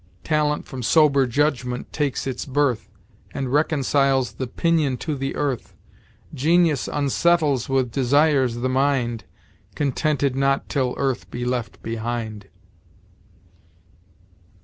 Talent from sober judgment takes its birth, And reconciles the pinion to the earth; Genius unsettles with desires the mind, Contented not till earth be left behind."